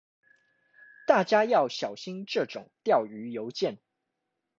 大家要小心這種釣魚郵件